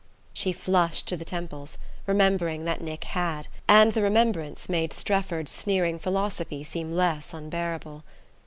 She flushed to the temples, remembering that Nick had; and the remembrance made Strefford's sneering philosophy seem less unbearable.